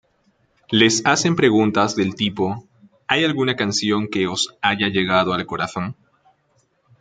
Les hacen preguntas del tipo "¿Hay alguna canción que os haya llegado al corazón?